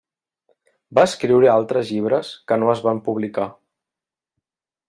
Va escriure altres llibres que no es van publicar.